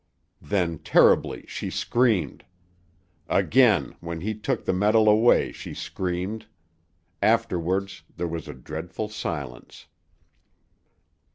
Then terribly she screamed. Again, when he took the metal away, she screamed. Afterwards there was a dreadful silence.